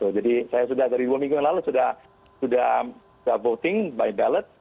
jadi saya sudah dari dua minggu lalu sudah voting by ballot